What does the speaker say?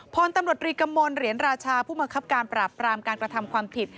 พลตำรวจรีกมลเหรียญราชาผู้มังคับการปราบปรามการกระทำความผิด